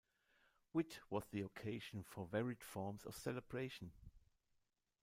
Whit was the occasion for varied forms of celebration.